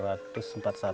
yang tertulis di daun lontar